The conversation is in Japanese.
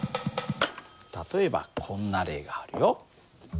例えばこんな例があるよ。